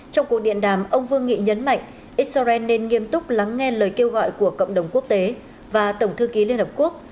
trong cuộc điện đàm ông vương nghị nhấn mạnh israel nên nghiêm túc lắng nghe lời kêu gọi của cộng đồng quốc tế và tổng thư ký liên hợp quốc